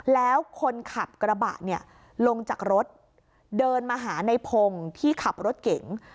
แล้วคนขับกระบะเนี่ยลงจากรถเดินมาหาในพงศ์ที่ขับรถเก๋ง